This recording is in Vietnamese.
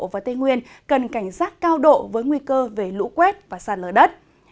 và tây nguyên cần cảnh giác cao độ với nguy cơ về lũ quét và sạt lở đất